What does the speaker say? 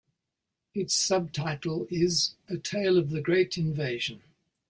Its subtitle is "A Tale of the Great Invasion".